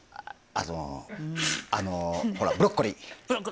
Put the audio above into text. あのほら、ブロッコリー。